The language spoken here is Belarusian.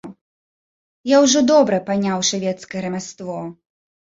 Я ўжо добра паняў шавецкае рамяство.